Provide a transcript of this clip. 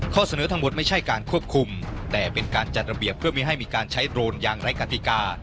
เสนอทั้งหมดไม่ใช่การควบคุมแต่เป็นการจัดระเบียบเพื่อไม่ให้มีการใช้โดรนอย่างไร้กติกา